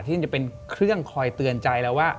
ที่จะเป็นเครื่องคอยเตือนใจแล้วว่า